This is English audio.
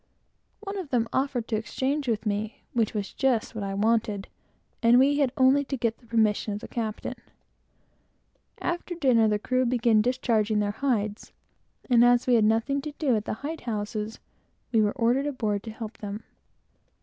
One of them offered to exchange with me; which was just what I wanted; and we had only to get the permission of the captain. After dinner, the crew began discharging their hides, and, as we had nothing to do at the hide houses, we were ordered aboard to help them.